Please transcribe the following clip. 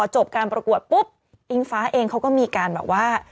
จบการประกวดปุ๊บอิงฟ้าเองเขาก็มีการแบบว่า